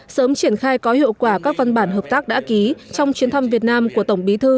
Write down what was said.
sớm triển khai có hiệu quả các văn bản hợp tác đã ký trong chuyến thăm việt nam của tổng bí thư